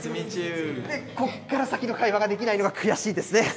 ここから先の会話ができないのは悔しいですね。